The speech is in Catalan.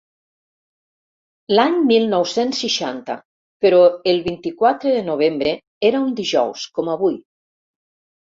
L'any mil nou-cents seixanta, però, el vint-i-quatre de novembre era un dijous, com avui.